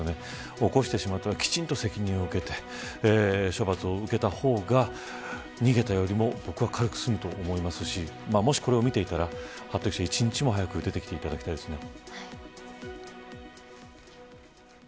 起こしてしまったことはきちんと責任を受けて処罰を受けた方が逃げるよりも、僕は軽く済むと思いますしもしこれを見ていたら容疑者に１日も早く出てきてほしいですね。